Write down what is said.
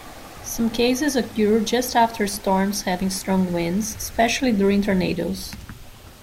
Some cases occur just after storms having strong winds, especially during tornadoes.